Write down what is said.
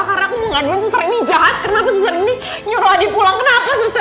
karena aku mau ngaduin suster ini jahat kenapa suster ini nyuruh adi pulang kenapa suster